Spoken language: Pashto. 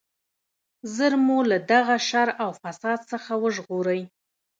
ژر مو له دغه شر او فساد څخه وژغورئ.